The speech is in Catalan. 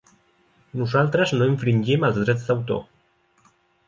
Nosaltres no infringim els drets d'autor.